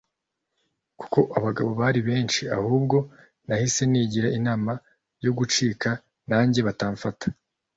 kuko abagabo bari benshi ahubwo nahise nigira inama yo gucika nanjye batamfata